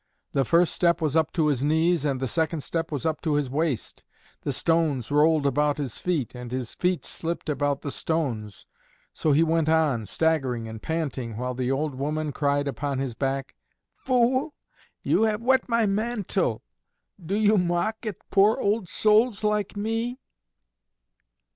The first step was up to his knees, and the second step was up to his waist. The stones rolled about his feet, and his feet slipped about the stones. So he went on, staggering and panting, while the old woman cried upon his back, "Fool, you have wet my mantle! Do you mock at poor old souls like me?"